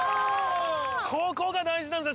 ここが大事なんです